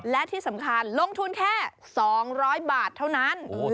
และที่สำคัญลงทุนแค่๒๐๐บาทเท่านั้น